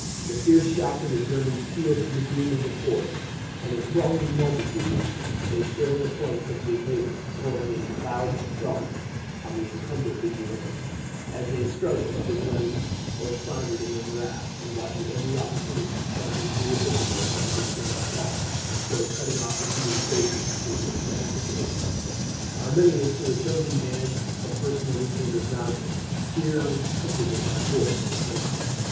The fierce shouts of the Germans pealed through the gloom of the forests, and in thronging multitudes they assailed the flanks of the invaders, pouring in clouds of darts on the encumbered legionaries, as they struggled up the glens or floundered in the morasses, and watching every opportunity of charging through the intervals of the disjointed column, and so cutting off the communication between its several brigades. Arminius, with a chosen band of personal retainers round him, cheered on his countrymen by voice and example.